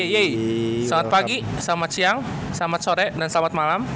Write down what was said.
yeay selamat pagi selamat siang selamat sore dan selamat malam